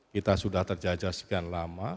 kita sudah terjajah sekian lama